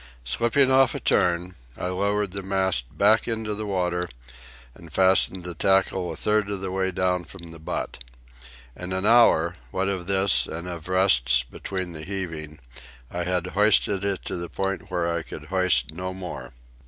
Slipping off a turn, I lowered the mast back into the water and fastened the tackle a third of the way down from the butt. In an hour, what of this and of rests between the heaving, I had hoisted it to the point where I could hoist no more.